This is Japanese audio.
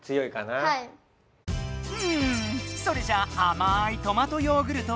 うんそれじゃあまいトマトヨーグルトはどう？